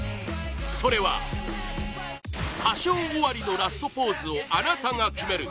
それは歌唱終わりのラストポーズをあなたが決める！